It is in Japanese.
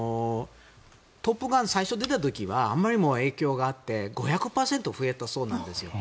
「トップガン」が最初に出てきた時にはあまりにも影響があって５００％増えたそうなんです。